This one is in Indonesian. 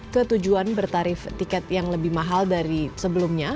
ketujuan bertarif tiket yang lebih mahal dari sebelumnya